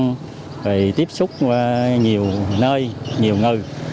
đi làm ăn tiếp xúc nhiều nơi nhiều người